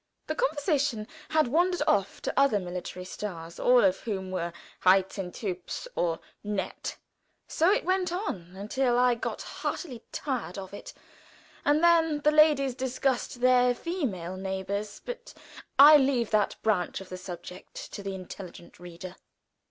The conversation had wandered off to other military stars, all of whom were reizend, hübsch, or nett. So it went on until I got heartily tired of it, and then the ladies discussed their female neighbors, but I leave that branch of the subject to the intelligent reader.